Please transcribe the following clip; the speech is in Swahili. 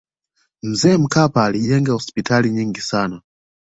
mzee mkapa alijenga hospitali nyingi sana